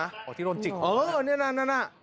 อยู่ที่โดนจิ้ม